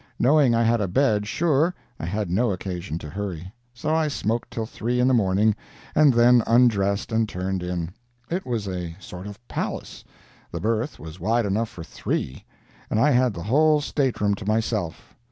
Knowing I had a bed sure, I had no occasion to hurry. So I smoked till three in the morning and then undressed and turned in. It was a sort of palace. The berth was wide enough for three, and I had the whole stateroom to myself.